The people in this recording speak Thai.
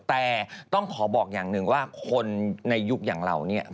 แต่ต้องขอบอกอย่างหนึ่งว่าคนในยุคอย่างเราเนี่ย